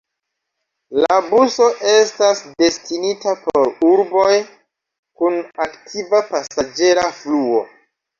La buso estas destinita por urboj kun aktiva pasaĝera fluo.